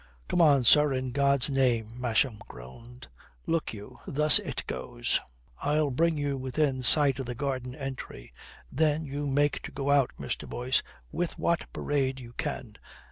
"Come on, sir, in God's name," Masham groaned. "Look you, thus it goes. I'll bring you within sight of the garden entry. Then you make to go out, Mr. Boyce, with what parade you can.